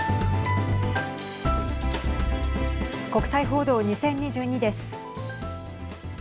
国際報道２０２２です。